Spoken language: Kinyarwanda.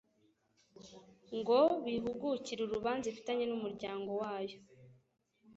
ngo bihugukire urubanza ifitanye n’umuryango wayo